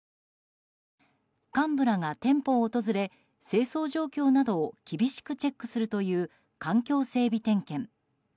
幹部らが店舗を訪れ清掃状況などを厳しくチェックするという環境整備点検。